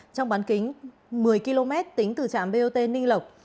trong bán kính một mươi km tính từ trạm bot ninh lộc